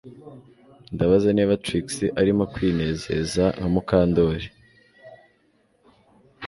Ndabaza niba Trix arimo kwinezeza nka Mukandoli